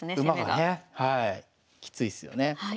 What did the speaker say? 馬がねきついですよね。